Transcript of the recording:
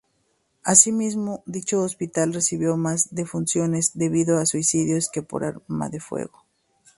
Asimismo dicho hospital recibió más defunciones debido a suicidios que por arma de fuego.